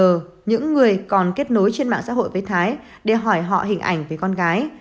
bà hát đã nhờ những người còn kết nối trên mạng xã hội với thái để hỏi họ hình ảnh về con gái